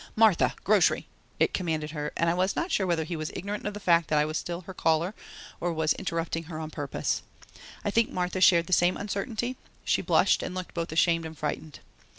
"Martha, grocery!" it commanded her and I was not sure whether he was ignorant of the fact that I was still her caller or was interrupting her on purpose. I think Martha shared the same uncertainty; she blushed and looked both ashamed and frightened.